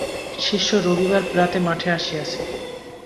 শিষ্য রবিবার প্রাতে মঠে আসিয়াছে।